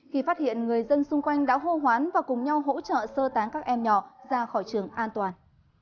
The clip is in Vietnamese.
khi phát hiện người dân xung quanh đã hô hoán và cùng nhau hỗ trợ sơ tán các em nhỏ ra khỏi trường an toàn